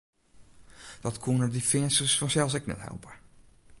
Dat koenen dy Feansters fansels ek net helpe.